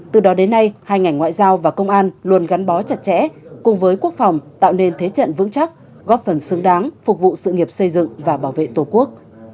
từ đó đến nay hai ngành ngoại giao và công an luôn gắn bó chặt chẽ cùng với quốc phòng tạo nên thế trận vững chắc góp phần xứng đáng phục vụ sự nghiệp xây dựng và bảo vệ tổ quốc